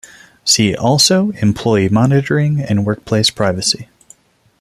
"See also Employee monitoring and Workplace privacy".